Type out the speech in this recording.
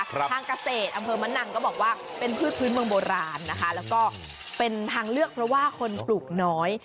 ทางเกษตรอำเภอมะนังก็บอกว่าเป็นพืชพื้นเมืองโบราณนะคะแล้วก็เป็นทางเลือกเพราะว่าคนปลูกน้อย